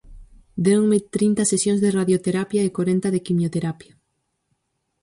Déronme trinta sesións de radioterapia e corenta de quimioterapia.